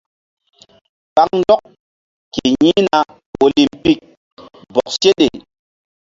Kpaŋndɔk ke yi̧hna olimpik bɔk seɗe.